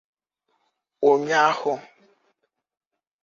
Ụnyahụ